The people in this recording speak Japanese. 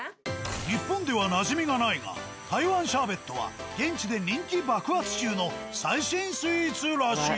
日本ではなじみがないが台湾シャーベットは現地で人気爆発中の最新スイーツらしい。